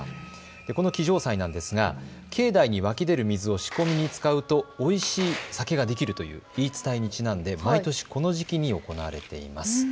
この祈醸祭なんですが境内に湧き出る水を仕込みに使うとおいしい酒ができるという言い伝えにちなんで毎年この時期に行われています。